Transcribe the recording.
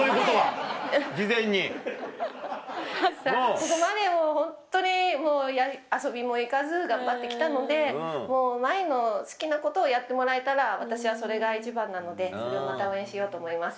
ここまでもうホントに遊びも行かず頑張って来たのでもう茉愛の好きなことをやってもらえたら私はそれが一番なのでそれをまた応援しようと思います。